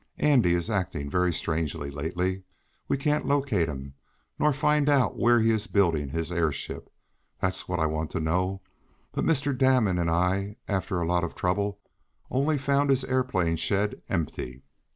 Andy is acting very strangely lately. We can't locate him, nor find out where he is building his airship. That's what I want to know; but Mr. Damon and I, after a lot of trouble, only found his aeroplane shed empty."